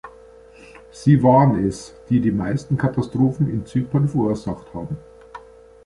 Sie waren es, die die meisten Katastrophen in Zypern verursacht haben.